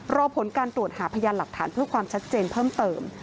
รอผลการตรวจหาพยานหลักฐานเพื่อความชัดเจนเพิ่มเติม